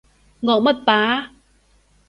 惡乜霸啊？